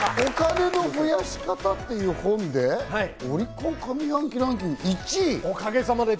Ｇｏｏ『お金の増やし方』って本で、オリコン上半期本ランキング１位？